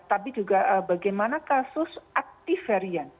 tapi juga bagaimana kasus aktif varian